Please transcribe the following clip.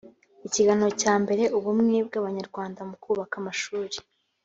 ikiganiro cyambere ubumwe bw abanyarwanda mu kubaka amashuri